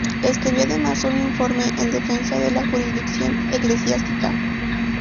Escribió además un "Informe en defensa de la jurisdicción eclesiástica".